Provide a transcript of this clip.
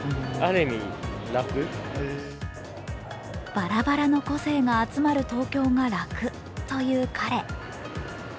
バラバラの個性が集まる東京が楽という彼。